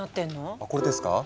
あこれですか？